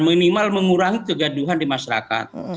minimal mengurangi kegaduhan di masyarakat